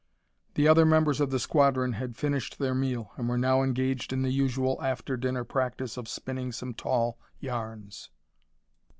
The other members of the squadron had finished their meal and were now engaged in the usual after dinner practice of spinning some tall yarns.